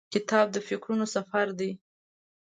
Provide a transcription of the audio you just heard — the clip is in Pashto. کتاب د فکرونو سفر دی.